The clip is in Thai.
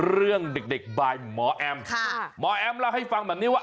เรื่องเด็กบายหมอแอมหมอแอมเล่าให้ฟังแบบนี้ว่า